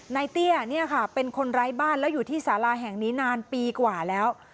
เตี้ยเนี่ยค่ะเป็นคนไร้บ้านแล้วอยู่ที่สาราแห่งนี้นานปีกว่าแล้ว